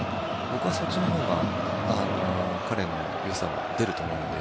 僕はそっちのほうが彼の良さは出ると思うので。